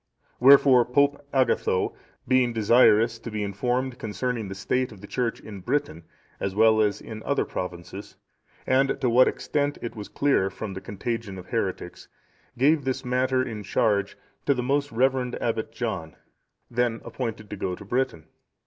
(658) Wherefore, Pope Agatho, being desirous to be informed concerning the state of the Church in Britain, as well as in other provinces, and to what extent it was clear from the contagion of heretics, gave this matter in charge to the most reverend Abbot John, then appointed to go to Britain.